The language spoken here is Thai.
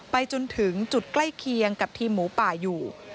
จนถึงจุดใกล้เคียงกับทีมหมูป่าอยู่